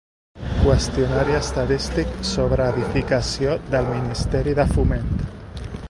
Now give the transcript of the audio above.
Qüestionari estadístic sobre edificació del Ministeri de Foment.